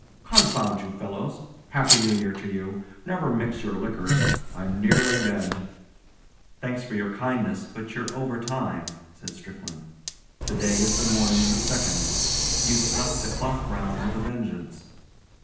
Confound you fellows. Happy New Year to you. Never mix your liquors. I'm nearly dead.' 'Thanks for your kindness, but you're over time,' said Strickland. 'To day is the morning of the second. You've slept the clock round with a vengeance.